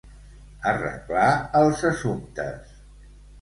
Arreglar els assumptes.